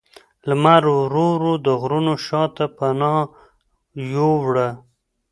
لمر ورو ورو د غرونو شا ته پناه یووړه